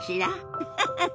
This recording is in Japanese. ウフフフ。